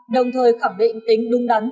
đồng thời khẳng định tính đúng đắn